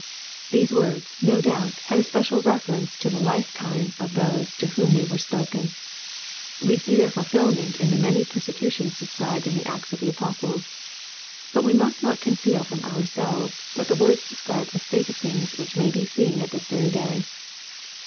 These words, no doubt, had a special reference to the life time of those to whom they were spoken. We see their fulfilment in the many persecutions described in the Acts of the Apostles. Bat we must not conceal from ourselves that the words describe a state of things which may be seen at this very day.